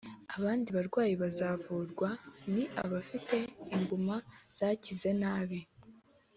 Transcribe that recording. Abandi barwayi bazavurwa ni abafite inguma zakize nabi